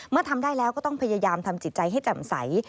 ทำได้แล้วก็ต้องพยายามทำจิตใจให้จำใส